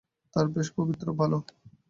তাঁরা বেশ পবিত্র ও ভাল।